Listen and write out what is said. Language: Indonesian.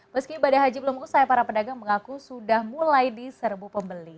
meski ibadah haji belum usai para pedagang mengaku sudah mulai diserbu pembeli